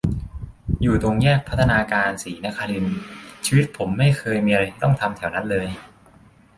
อยู่ตรงแยก พัฒนาการ-ศรีนครินทร์ ชีวิตผมไม่เคยมีอะไรต้องทำแถวนั้นเลย